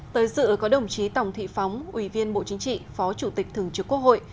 tới dự có đồng chí tòng thị phóng ủy viên bộ chính trị phó chủ tịch thường trực quốc hội